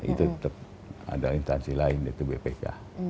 itu tetap ada instansi lain yaitu bpk